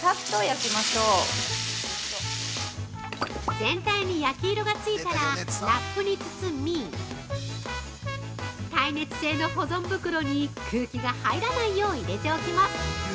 ◆全体に焼き色がついたらラップに包み耐熱性の保存袋に、空気が入らないよう入れておきます。